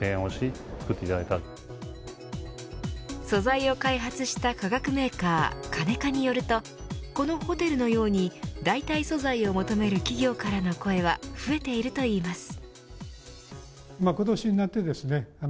素材を開発した化学メーカーカネカによるとこのホテルのように代替素材を求める企業からの声は増えているといいます。